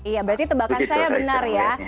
iya berarti tebakan saya benar ya